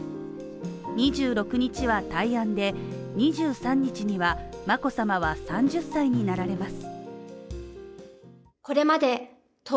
２６日は大安で、２３日には眞子さまは３０歳になられます。